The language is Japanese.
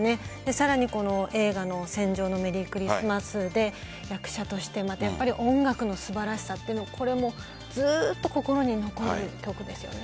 さらに映画の「戦場のメリークリスマス」で役者として音楽の素晴らしさっていうのもずっと心に残っている曲ですよね。